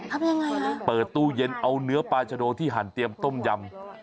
ทำยังไงล่ะเปิดตู้เย็นเอาเนื้อปลาชะโดที่หั่นเตรียมต้มยำ